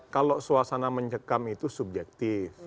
kalau suasana mencekam itu subjektif